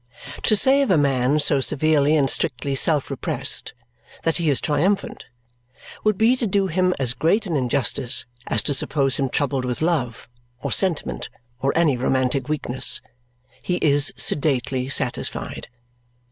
To say of a man so severely and strictly self repressed that he is triumphant would be to do him as great an injustice as to suppose him troubled with love or sentiment or any romantic weakness. He is sedately satisfied.